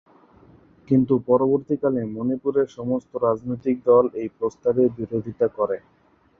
কিন্তু পরবর্তীকালে, মণিপুরের সমস্ত রাজনৈতিক দল এই প্রস্তাবের বিরোধিতা করে।